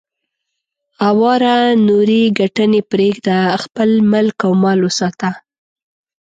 اواره نورې ګټنې پرېږده، خپل ملک او مال وساته.